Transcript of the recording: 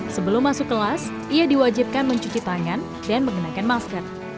sebelum masuk kelas ia diwajibkan mencuci tangan dan mengenakan masker